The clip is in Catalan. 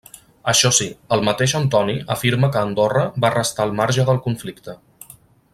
Això sí, el mateix Antoni afirma que Andorra va restar al marge del conflicte.